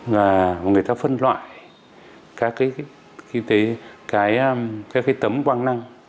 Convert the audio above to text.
và người ta phân loại các cái tấm quang năng